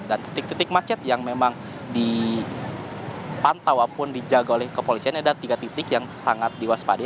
dan titik titik macet yang memang dipantau apun dijaga oleh kepolisiannya adalah tiga titik yang sangat diwaspadai